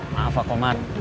maaf pak omar